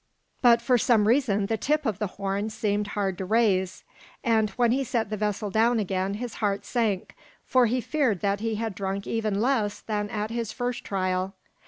But for some reason the tip of the horn seemed hard to raise, and when he set the vessel down again his heart sank, for he feared that he had drunk even less than at his first trial.